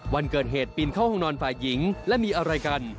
วันเกิดเหตุปีนเข้าห้องนอนฝ่ายหญิงและมีอะไรกัน